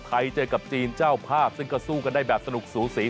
ไทยเจอกับจีนเจ้าภาพซึ่งก็สู้กันได้แบบสนุกสูสี